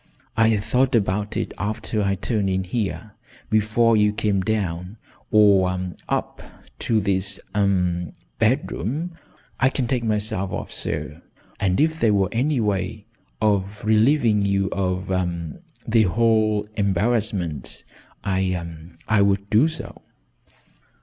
I thought about it after I turned in here before you came down or up to this ahem bedroom. I can take myself off, sir. And if there were any way of relieving you of the whole embarrassment, I I would do so."